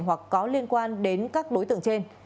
hoặc có liên quan đến các đối tượng trên